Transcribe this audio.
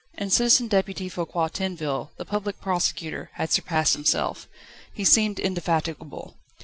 And Citizen Deputy Foucquier Tinville, the Public Prosecutor, had surpassed himself. He seemed indefatigable.